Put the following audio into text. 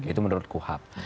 itu menurut kuhap